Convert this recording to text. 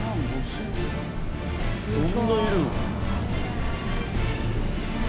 そんないるの？